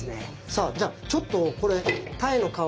さあじゃあちょっとこれタイの皮